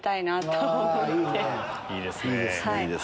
いいですね。